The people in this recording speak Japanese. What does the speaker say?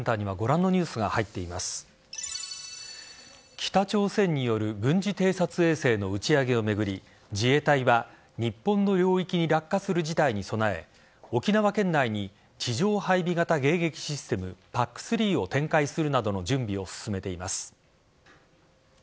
北朝鮮による軍事偵察衛星の打ち上げを巡り自衛隊は日本の領域に落下する事態に備え沖縄県内に地上配備型迎撃システムＰＡＣ‐３を展開するなどの準備を進めています。